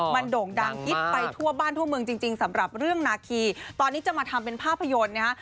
มันโด่งดังฮิตไปทั่วบ้านทั่วเมืองจริงสำหรับเรื่องนาคีตอนนี้จะมาทำเป็นภาพยนตร์นะฮะ